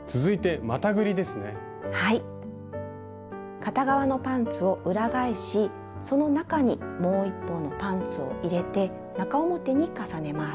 片側のパンツを裏返しその中にもう一方のパンツを入れて中表に重ねます。